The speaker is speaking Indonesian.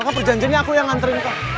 kan perjanjiannya aku yang nganterin kamu